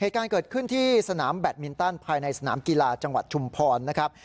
เหตุการณ์เกิดขึ้นที่สนามแบตมินตันภายในสนามกีฬาจังหวัดชุมพรนะครับ